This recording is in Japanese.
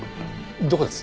どこです？